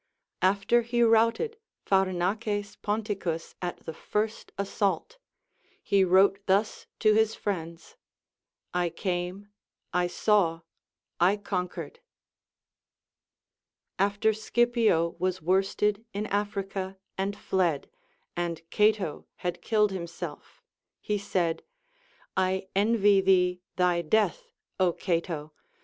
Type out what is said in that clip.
After he routed Pharnaces Ponticus at the first assault, he wrote thus to his friends, I came, I saw, I conquered.* After Scipio was worsted in Africa and tied, and Cato had killed himself, he said : I envy thee thy death, Ο Cato